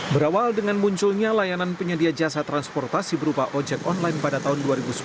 berawal dengan munculnya layanan penyedia jasa transportasi berupa ojek online pada tahun dua ribu sepuluh